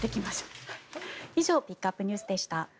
以上ピックアップＮＥＷＳでした。